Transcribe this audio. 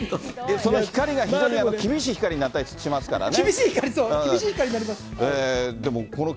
その光が非常に厳しい光になったりしますからね。